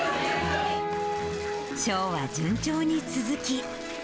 ショーは順調に続き。